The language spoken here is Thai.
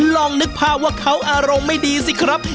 ลองนึกภาพว่าเขาอารมณ์ไม่ดีสิครับ